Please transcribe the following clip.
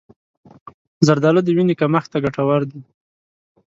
زردآلو د وینې کمښت ته ګټور دي.